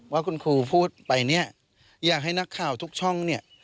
ว่าคุณครูพูดไปเนี่ยอยากให้นักข่าวทุกช่องเนี่ย